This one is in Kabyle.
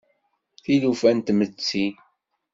Tilufa n tmetti.